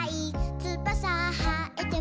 「つばさはえても」